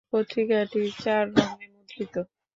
পত্রিকাটি চার রঙে মুদ্রিত।